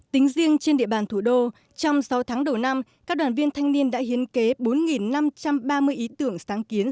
tính riêng trên địa bàn thủ đô trong sáu tháng đầu năm các đoàn viên thanh niên đã hiến kế bốn năm trăm ba mươi ý tưởng sáng kiến